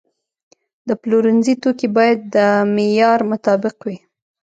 د پلورنځي توکي باید د معیار مطابق وي.